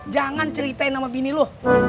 jangan ceritain nama bini loh